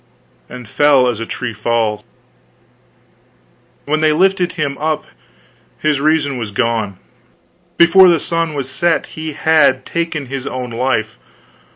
and fell as a tree falls. When they lifted him up his reason was gone; before the sun was set, he had taken his own life.